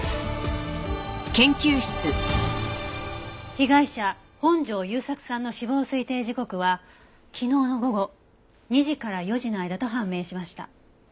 被害者本城雄作さんの死亡推定時刻は昨日の午後２時から４時の間と判明しました。